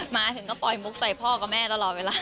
มาถึงก็ปล่อยมุกใส่พ่อกับแม่ตลอดเวลา